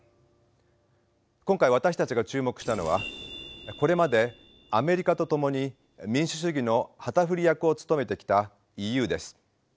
今回私たちが注目したのはこれまでアメリカと共に民主主義の旗振り役を務めてきたＥＵです。